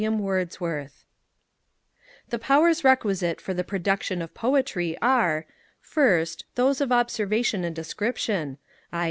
PREFACE TO POEMS (1815) The powers requisite for the production of poetry are: first, those of Observation and Description, i.